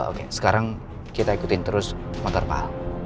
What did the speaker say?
oke sekarang kita ikutin terus motor pak al